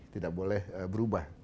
tidak boleh berubah